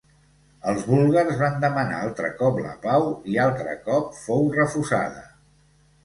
Els búlgars van demanar altre cop la pau i altre cop fou refusada.